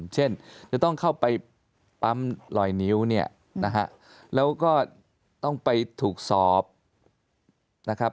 เช่นจะต้องเข้าไปปั๊มลอยนิ้วเนี่ยนะฮะแล้วก็ต้องไปถูกสอบนะครับ